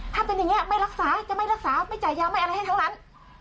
ถ้าเป็นอย่างนี้ไม่รักษาจะไม่รักษาไม่จ่ายยาไม่อะไรให้ทั้งนั้น